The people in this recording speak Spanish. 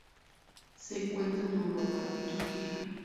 Se encuentra en Europa y Turquía.